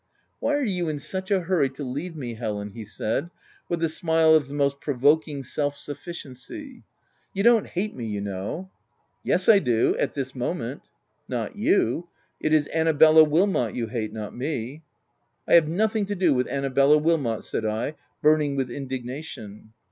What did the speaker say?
u Why are you in such a hurry to leave me, Helen ?" he said, with a smile of the most pro voking self sufficiency — "you don't hate me' you know." "Yes, I do — at this moment." OF WILDFELL HALL. 329 * Not you ! It is Annabella Wilmot you hate, not me." " I have nothing to do with Annabella Wil mot," said I, burning with indignation.